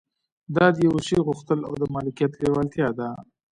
دا د يوه شي غوښتل او د مالکيت لېوالتيا ده.